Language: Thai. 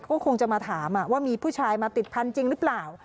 ก็คงจะมาถามว่ามีผู้ชายมาติดพันธุ์จริงหรือเปล่า